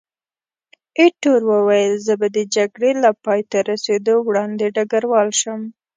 ایټور وویل، زه به د جګړې له پایته رسېدو وړاندې ډګروال شم.